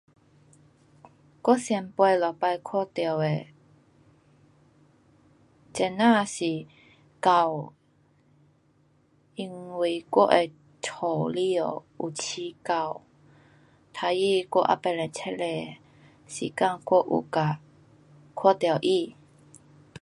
我最尾一次看到的畜生是狗。因为我的家里外有养狗，所以我有没有醒的时间我有嘎看到他。